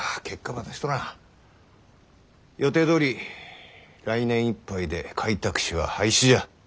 予定どおり来年いっぱいで開拓使は廃止じゃ。